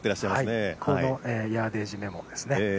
ヤーデージメモですね。